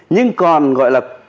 nhưng còn gọi là